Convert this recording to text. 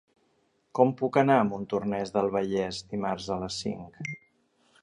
Com puc anar a Montornès del Vallès dimarts a les cinc?